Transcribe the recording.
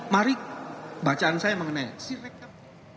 mari bacaan saya mengenai si rekap